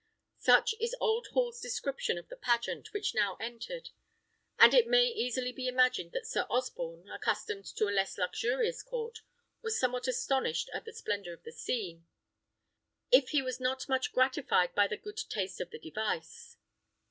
Such is old Hall's description of the pageant which now entered: and it may easily be imagined that Sir Osborne, accustomed to a less luxurious court, was somewhat astonished at the splendour of the scene, if he was not much gratified by the good taste of the device.